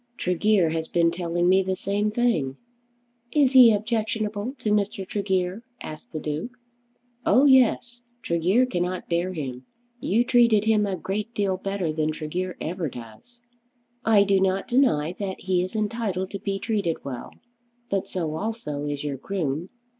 "Tregear has been telling me the same thing." "Is he objectionable to Mr. Tregear?" asked the Duke. "Oh yes. Tregear cannot bear him. You treated him a great deal better than Tregear ever does." "I do not deny that he is entitled to be treated well; but so also is your groom.